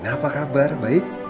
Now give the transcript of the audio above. rena apa kabar baik